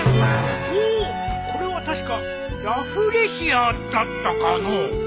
これは確かラフレシアだったかの。